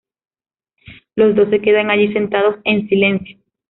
Los dos se quedan allí sentados en silencio.